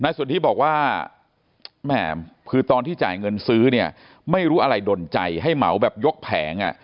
สนทิบอกว่าแหม่คือตอนที่จ่ายเงินซื้อเนี่ยไม่รู้อะไรดนใจให้เหมาแบบยกแผงอ่ะ